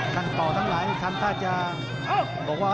ทั้งต่อทั้งหลายท่านจะบอกว่า